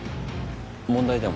問題でも？